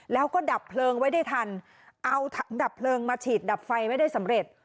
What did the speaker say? แล้วก็ดับเพลิงไว้ได้ทันเอาดับเพลิงมาฉีดดับไฟไว้ได้สำเร็จ